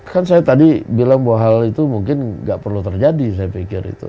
kan saya tadi bilang bahwa hal itu mungkin nggak perlu terjadi saya pikir itu